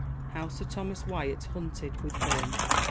How Sir Thomas Wyat hunted with Herne.